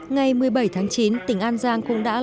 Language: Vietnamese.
ngày một mươi bảy tháng chín tỉnh an giang cũng đã